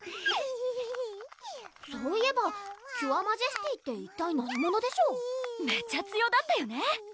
そういえばキュアマジェスティって一体何者でしょうめちゃ強だったよね